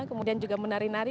kemudian juga menari nari